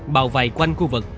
bảo vầy quanh khu vực